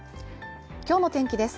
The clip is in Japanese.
今日の天気です。